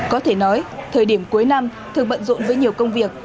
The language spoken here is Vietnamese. có thể nói thời điểm cuối năm thường bận rộn với nhiều công việc